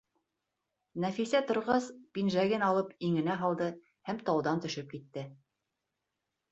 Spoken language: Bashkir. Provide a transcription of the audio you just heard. Нәфисә торғас, пинжәген алып иңенә һалды һәм тауҙан төшөп китте.